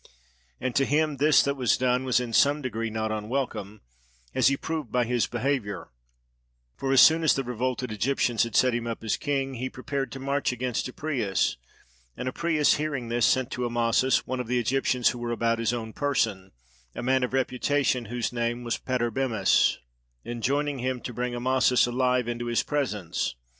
And to him this that was done was in some degree not unwelcome, as he proved by his behaviour; for as soon as the revolted Egyptians had set him up as king, he prepared to march against Apries: and Apries hearing this sent to Amasis one of the Egyptians who were about his own person, a man of reputation, whose name was Patarbemis, enjoining him to bring Amasis alive into his presence.